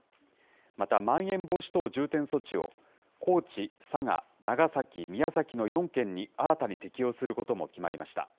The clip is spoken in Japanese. またまん延防止等重点措置を高知、佐賀、長崎、宮崎の４県に新たに適用することも決まりました。